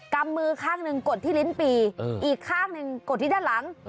ำมือข้างหนึ่งกดที่ลิ้นปีอีกข้างหนึ่งกดที่ด้านหลัง